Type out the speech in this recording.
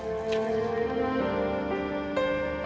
aku mau kita sekedar balik